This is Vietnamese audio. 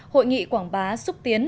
hội nghị quảng bá xúc tiến